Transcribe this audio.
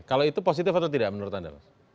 kalau itu positif atau tidak menurut anda